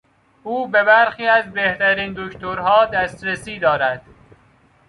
او به برخی از بهترین دکترها دسترسی دارد.